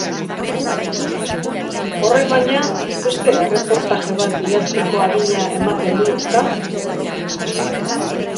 Horrek, baina, beste erreportajea bat idazteko adina ematen du, ezta?